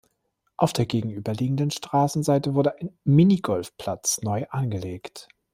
Auf der gegenüberliegenden Straßenseite wurde ein "Minigolfplatz" neu angelegt.